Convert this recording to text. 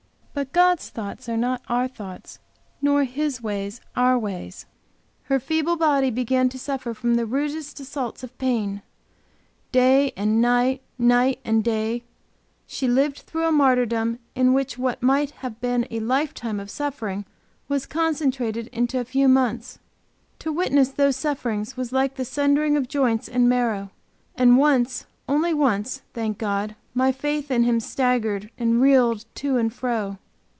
But God's thoughts are not as our thoughts not His ways as our ways. Her feeble body began to suffer from the rudest assaults of pain; day and night, night and day, she lived through a martyrdom in which what might have been a lifetime of suffering was concentrated into a few months. To witness these sufferings was like the sundering of joints and marrow, and once, only once, thank God! my faith in Him staggered and reeled to and fro.